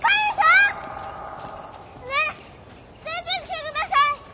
ねえ出てきてください！